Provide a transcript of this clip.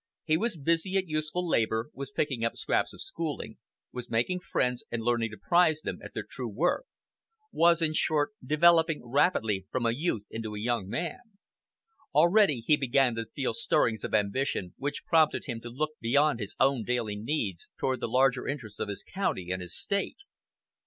He was busy at useful labor, was picking up scraps of schooling, was making friends and learning to prize them at their true worth; was, in short, developing rapidly from a youth into a young man. Already he began to feel stirrings of ambition which prompted him to look beyond his own daily needs toward the larger interests of his county and his State.